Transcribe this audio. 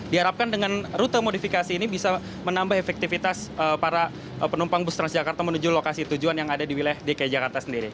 diharapkan dengan rute modifikasi ini bisa menambah efektivitas para penumpang bus transjakarta menuju lokasi tujuan yang ada di wilayah dki jakarta sendiri